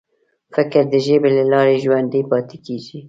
فکر د ژبې له لارې ژوندی پاتې کېږي.